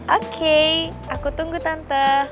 oke aku tunggu tante